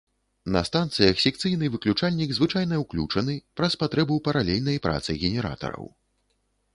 На станцыях секцыйны выключальнік звычайна ўключаны, праз патрэбу паралельнай працы генератараў.